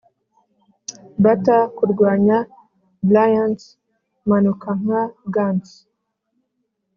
batter kurwanya brilliance, manuka nka gants